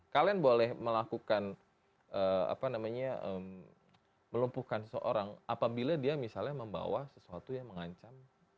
kalian boleh melakukan apa namanya melumpuhkan seseorang apabila dia misalnya membawa sesuatu yang mengancam